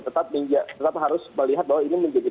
tetap harus melihat bahwa ini menjadi